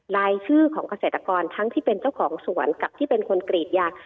รายชื่อของเกษตรกรทั้งที่เป็นเจ้าของสวนกับที่เป็นคนกรีดยาง